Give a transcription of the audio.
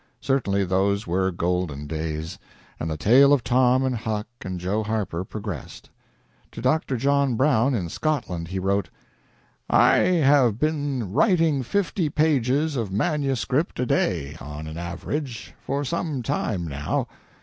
Certainly those were golden days, and the tale of Tom and Huck and Joe Harper progressed. To Dr. John Brown, in Scotland, he wrote: "I have been writing fifty pages of manuscript a day, on an average, for some time now